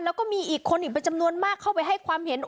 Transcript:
แล้วก็มีอีกคนอีกเป็นจำนวนมากเข้าไปให้ความเห็น